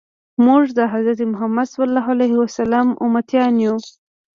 موږ د حضرت محمد صلی الله علیه وسلم امتیان یو.